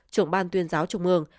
trưởng ban tuyên giáo trung ương